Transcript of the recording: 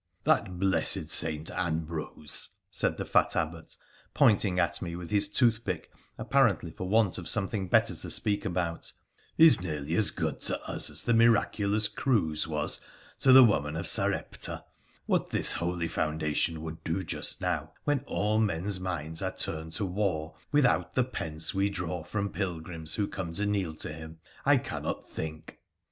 ' That blessed saint, Ambrose,' said the fat Abbot, pointing at me with his toothpick, apparently for want of something better to speak about, ' is nearly as good to us as the miraculous cruse was to the woman of Sarepta : what this holy founda tion would do just now, when all men's minds are turned to war, without the pence we draw from pilgrims who come to kneel to him, I cannot think